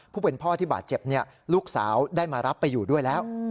ผู้เป็นพ่อที่บาดเจ็บลูกสาวได้มารับไปอยู่ด้วยแล้ว